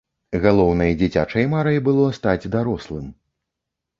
Галоўнай дзіцячай марай было стаць дарослым.